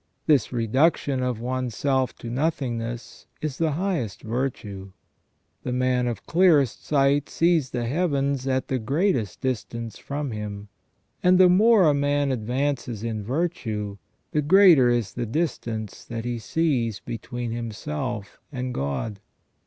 This reduction of one's self to nothingness is the highest virtue. The man of clearest sight sees the heavens at the greatest distance from him ; and the more a man advances in virtue the greater is the distance that he sees between himself and God.